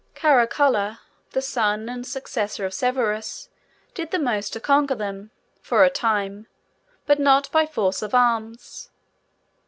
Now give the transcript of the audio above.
Caracalla, the son and successor of Severus, did the most to conquer them, for a time; but not by force of arms.